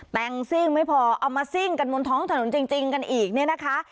แต่งซิ่งไม่พอเอามาซิ่งกันบนท้องถนนจริงกันอีกเนี่ยนะคะ